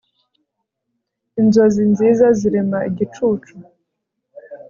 inzozi nziza zirema igicucu